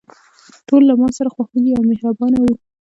ټول له ماسره خواخوږي او مهربانه وو.